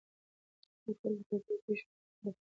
هغه تل د طبیعي پېښو په وخت کې له خلکو سره مرسته کوي.